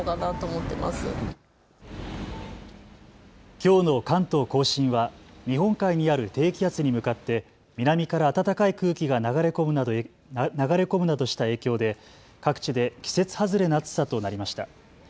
きょうの関東甲信は日本海にある低気圧に向かって南から暖かい空気が流れ込むなどした影響で各地で季節外れの暑さとなりました。